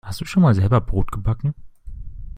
Hast du schon mal selber Brot gebacken?